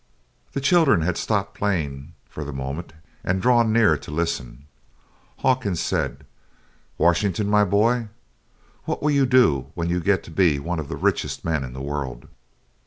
The children had stopped playing, for the moment, and drawn near to listen. Hawkins said: "Washington, my boy, what will you do when you get to be one of the richest men in the world?"